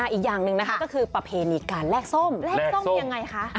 อีกอย่างหนึ่งนะคะก็คือประเพณีการแลกส้มแลกส้มยังไงคะ